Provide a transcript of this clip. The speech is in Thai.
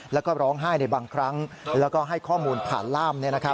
แล้วก็ร้องไห้ในบางครั้งแล้วก็ให้ข้อมูลผ่านล่าม